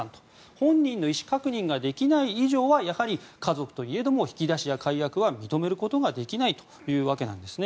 本人の意思確認ができない以上はやはり家族といえども引き出しや解約は認めることができないということなんですね。